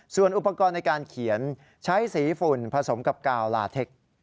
ส่วนอุปกรณ์ในการเขียนใช้สีฝุ่นผสมกับกาวลาเทค